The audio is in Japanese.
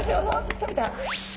食べた！